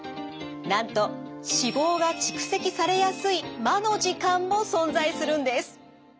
なんと脂肪が蓄積されやすい魔の時間も存在するんです。